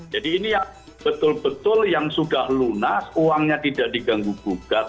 jadi ini yang betul betul yang sudah lunas uangnya tidak diganggu gugat